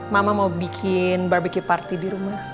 mama mau bikin barbecue party di rumah